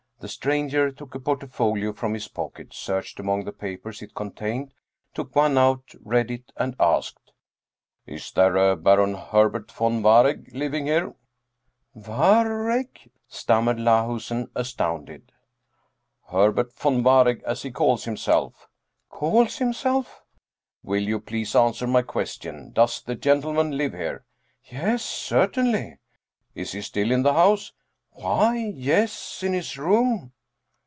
The stranger took a portfolio from his pocket, searched among the papers it contained, took one out, read it and asked, " Is there a Baron Herbert von Waregg living here?" 25 German Mystery Stories 11 Waregg? " stammered Lahusen astounded. " Herbert von Waregg, as he calls himself." "Calls himself?" " Will you please answer my question ? Does the gentle man live here ?"" Yes, certainly." " Is he still in the house? "" Why, yes, in his room."